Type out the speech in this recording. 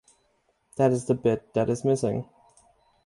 That is the bit that is missing.